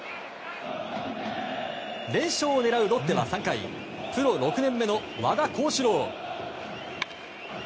連勝を狙うロッテは３回プロ６年目の和田康士朗。